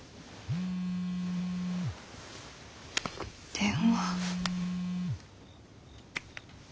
電話。